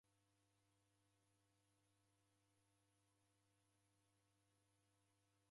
W'anidu w'eghoka shuu